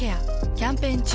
キャンペーン中。